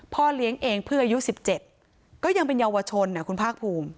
พ่อเลี้ยงเองเพื่ออายุสิบเจ็ดก็ยังเป็นเยาวชนอ่ะคุณภาคภูมิ